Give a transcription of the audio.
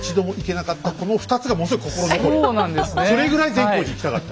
それぐらい善光寺に行きたかった。